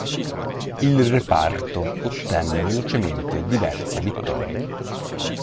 Il reparto ottenne velocemente diverse vittorie.